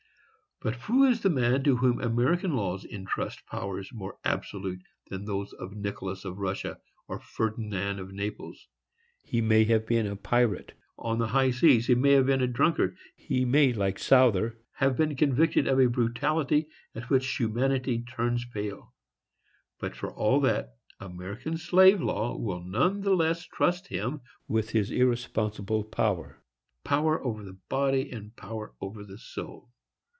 But who is the man to whom American laws intrust powers more absolute than those of Nicholas of Russia, or Ferdinand of Naples? He may have been a pirate on the high seas; he may be a drunkard; he may, like Souther, have been convicted of a brutality at which humanity turns pale; but, for all that, American slave law will none the less trust him with this irresponsible power,—power over the body, and power over the soul.